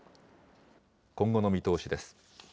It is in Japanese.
今後の見通しです。